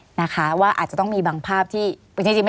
หรือว่าแม่ของสมเกียรติศรีจันทร์